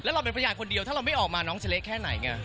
เราเป็นพยานคนเดียวถ้าเราไม่ออกมาน้องจะเละแค่ไหนไง